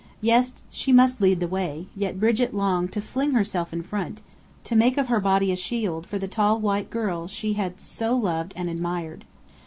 Yes, she must lead the way; yet Brigit longed to fling herself in front, to make of her body a shield for the tall white girl she had never so loved and admired.